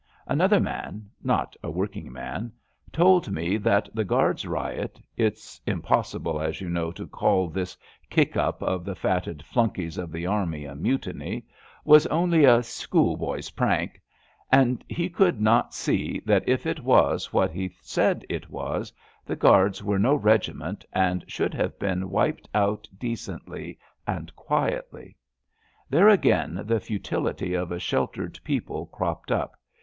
Another man, not a workingman, told me that the Guards' riot — it's impossible, as you know, to call this kick up of the fatted flunkies of the army a mutiny — ^was only ^^ a schoolboy's prank "; and he could not see that if it was what he said it was, the Guards were no regiment and should 208 ABAFT THE FUNNUL have been wiped out decently and quietly. There again the futility of a sheltered people cropped up.